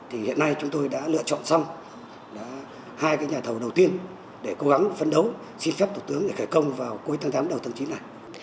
thì hiện nay chúng tôi đã lựa chọn xong hai nhà thầu đầu tiên để cố gắng phấn đấu xin phép tổng tướng khởi công vào cuối tháng tháng đầu tháng chín này